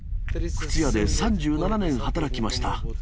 靴屋で３７年働きました。